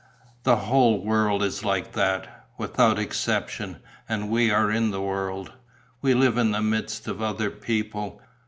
"The whole world is like that, without exception, and we are in the world. We live in the midst of other people.